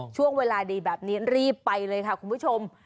ช่วงเวลาดีแบบนี้รีบไปเลยค่ะคุณผู้ชม